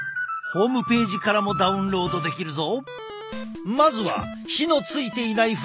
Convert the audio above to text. ホームページからもダウンロードできるぞ。